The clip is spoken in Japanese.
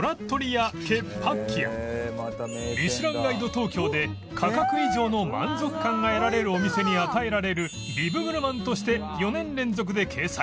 『ミシュランガイド東京』で価格以上の満足感が得られるお店に与えられるビブグルマンとして４年連続で掲載